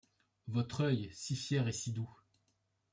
Votre oeil si fier et si doux